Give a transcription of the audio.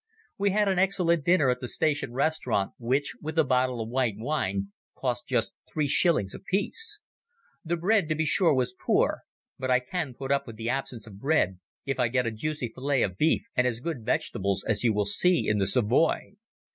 We had an excellent dinner at the station restaurant, which, with a bottle of white wine, cost just three shillings apiece. The bread, to be sure, was poor, but I can put up with the absence of bread if I get a juicy fillet of beef and as good vegetables as you will see in the Savoy.